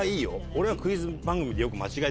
俺はクイズ番組で。